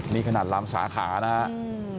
นี่ขนาดลำสาขานะครับ